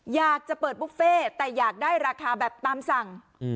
อยากจะเปิดบุฟเฟ่แต่อยากได้ราคาแบบตามสั่ง